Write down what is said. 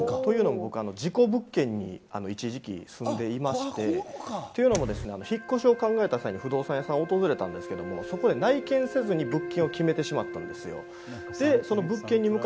僕、事故物件に一時期、住んでいまして、って言うのもですね、引っ越しを考えた時、不動産屋に訪れたんですけれども、そこに内見せずに物件を決めてしまったんですよ。